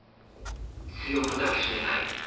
強く抱き締めたい。